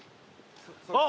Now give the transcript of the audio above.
あっ！